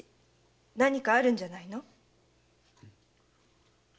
何かあるんじゃないの？